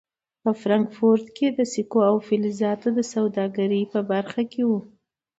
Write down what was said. په فرانکفورټ کې د سکو او فلزاتو سوداګرۍ په برخه کې و.